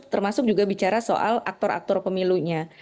termasuk juga bicara soal aktor aktor pemilunya